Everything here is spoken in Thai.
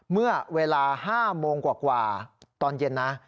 เมื่อเวลา๕โมงกว่าตอนเย็นนะ